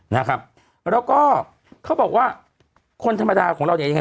แล้วก็เขาบอกว่าคนธรรมดาของเรายังไง